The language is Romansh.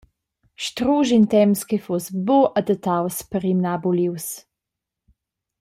Strusch in temps che fuss buc adattaus per rimnar bulius.